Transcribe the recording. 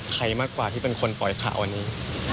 ใครมากกว่าที่เป็นคนปล่อยข่าวอันนี้